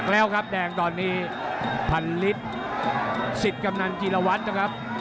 แล้วครับแดงตอนนี้พันฤทธิ์สิทธิ์กำนันจีรวัตรนะครับ